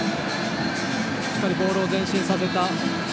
しっかりボールを前進させた。